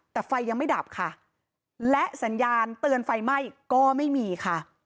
แต่ไฟยังไม่ดับค่ะและสัญญาณเตือนไฟไหม้ก็ไม่มีค่ะ